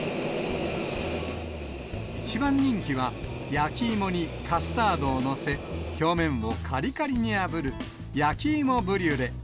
一番人気は、焼き芋にカスタードを載せ、表面をかりかりにあぶる焼き芋ブリュレ。